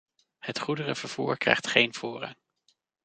Het goederenvervoer krijgt geen voorrang.